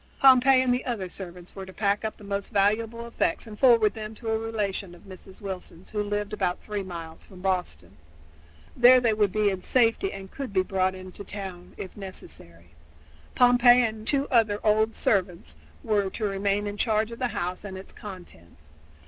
Pompey and the other servants were to pack up the most valuable effects and to forward them to a relation of Mrs. Wilson's who lived about three miles from Boston. There they would be in safety and could be brought into the town, if necessary. Pompey and two other old servants were to remain in charge of the house and its contents.